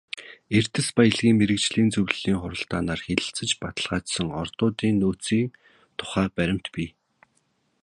Эрдэс баялгийн мэргэжлийн зөвлөлийн хуралдаанаар хэлэлцэж баталгаажсан ордуудын нөөцийн тухай баримт бий.